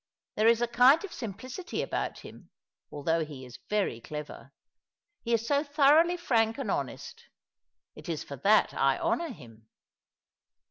There is a kind of simplicity about him, although he is very clever. He is so thoroughly frank and honest. It is for that I honour him."